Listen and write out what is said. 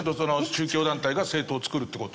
宗教団体が政党を作るって事。